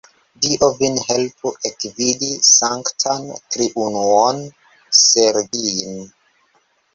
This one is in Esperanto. Dio vin helpu ekvidi Sanktan Triunuon-Sergij'n.